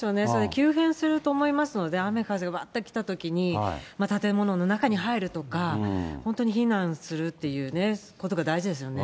急変すると思いますので、雨風がわっときたときに、建物の中に入るとか、本当に避難するっていうね、ことが大事ですよね。